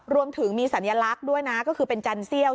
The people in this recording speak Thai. รวมถึงมีสัญลักษณ์ด้วยนะก็คือเป็นจันเซี่ยว